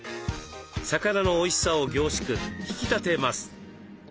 魚のおいしさを凝縮引き立てます。